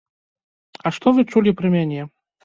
А што вы чулі пра мяне?